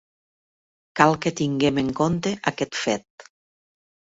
Cal que tinguem en compte aquest fet.